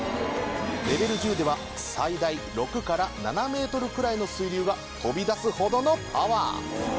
レベル１０では最大６７ｍくらいの水流が飛び出すほどのパワー。